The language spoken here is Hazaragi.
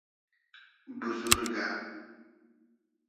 بوزورگۂ